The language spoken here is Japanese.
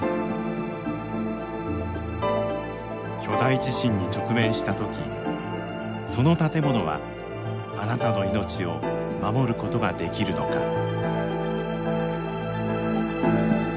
巨大地震に直面したときその建物は、あなたの命を守ることができるのか。